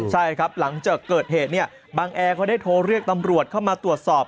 ใช่ครับหลังจากเกิดเหตุเนี่ยบังแอร์เขาได้โทรเรียกตำรวจเข้ามาตรวจสอบ